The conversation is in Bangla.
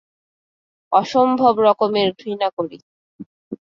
অসম্ভব রকমের ঘৃণা করি!